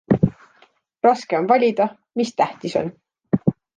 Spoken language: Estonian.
Raske on valida, mis tähtis on.